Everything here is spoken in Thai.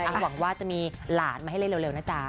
หวังว่าจะมีหลานมาให้เล่นเร็วนะจ๊ะ